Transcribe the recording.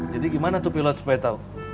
jadi gimana tuh pilot supaya tau